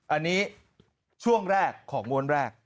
อันนี้ช่วงแรกของม้วนแรก